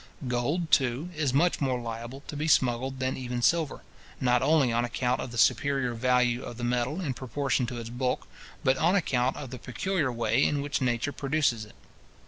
Gold, too, is much more liable to be smuggled than even silver; not only on account of the superior value of the metal in proportion to its bulk, but on account of the peculiar way in which nature produces it.